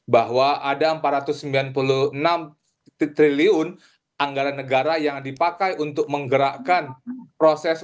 bahwa ada empat ratus sembilan puluh enam triliun anggaran negara yang dipakai untuk menggerakkan proses